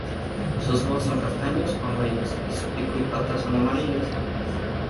Sus ojos son castaños o amarillos, y su pico y patas son amarillos.